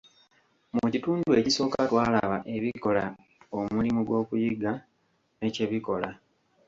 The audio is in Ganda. Mu kitundu ekisooka twalaba ebikola omulimu gw'okuyiga, ne kye bikola.